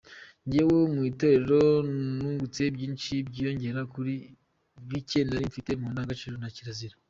Njyewe mu itorero nungutse byinshi byiyongera kuri bicye nari mfite mu ndangagaciro na kirazira.